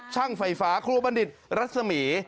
ช่างไฟฟ้าครูบรรดิศรัฐสมี